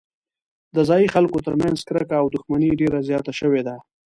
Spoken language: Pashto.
د ځايي خلکو ترمنځ کرکه او دښمني ډېره زیاته شوې ده.